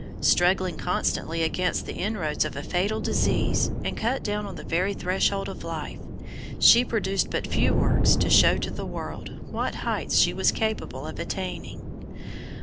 Struggling constantly against the inroads of a fatal disease, and cut down on the very threshold of life, she produced but few works to show to the world what heights she was capable of attaining.